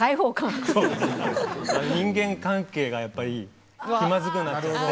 人間関係がやっぱり気まずくなっちゃって。